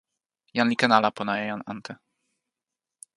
jan li ken ala pona e jan ante.